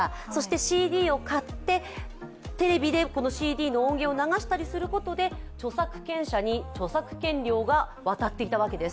ＣＤを買って、テレビでＣＤの音源を流したりすることで著作権者に著作権料が渡っていたわけです。